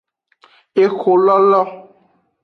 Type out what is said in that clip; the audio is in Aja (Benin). Exololo.